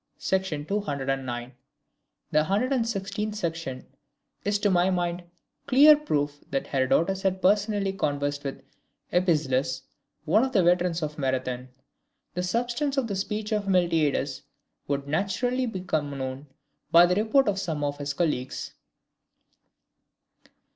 sec. 209. The 116th section is to my mind clear proof that Herodotus had personally conversed with Epizelus, one of the veterans of Marathon. The substance of the speech of Miltiades would naturally become known by the report of some of his colleagues.